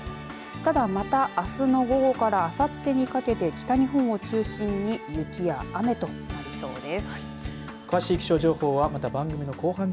ただ、またあすの午後からあさってにかけて北日本を中心に雪や雨となりそうです。